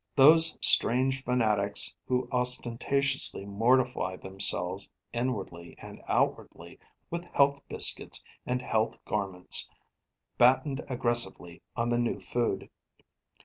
Those strange fanatics who ostentatiously mortify themselves, inwardly and outwardly, with health biscuits and health garments, battened aggressively on the new food.